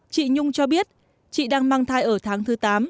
chị nhung cho biết chị đang mang thai ở tháng thứ tám